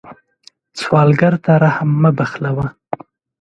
سوالګر ته رحم مه بخلوه